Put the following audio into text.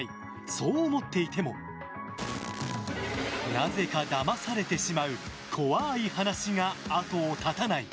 そう思っていてもなぜかだまされてしまう怖い話が後を絶たない。